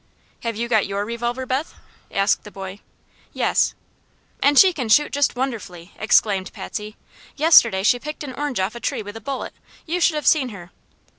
"Have you got your revolver, Beth?" asked the boy. "Yes." "And she can shoot just wonderfully!" exclaimed Patsy. "Yesterday she picked an orange off a tree with a bullet. You should have seen her."